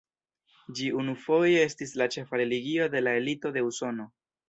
Ĝi unufoje estis la ĉefa religio de la elito de Usono.